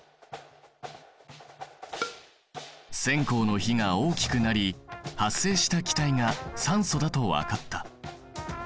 線香の火が大きくなり発生した気体が酸素だと分かった。